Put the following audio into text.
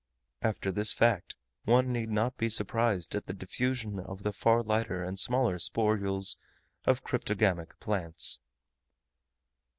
After this fact one need not be surprised at the diffusion of the far lighter and smaller sporules of cryptogamic plants.